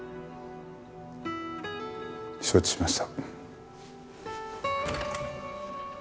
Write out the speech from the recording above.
承知しました。